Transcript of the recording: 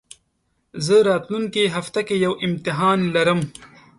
زه راتلونکي هفته کي يو امتحان لرم